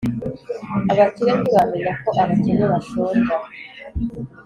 Abakire ntibamenyako abakene bashonja